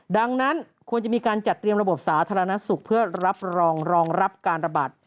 ดังนั้นควรจะมีการจัดเตรียมระบบสาธารณสุขเพื่อรับรองรองรับการระบาด